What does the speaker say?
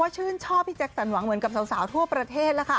ชื่นชอบกับผู้ซาวทั่วประเทศ